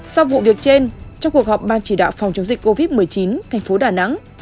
sau vụ việc trên trong cuộc họp ban chỉ đạo phòng chống dịch covid một mươi chín thành phố đà nẵng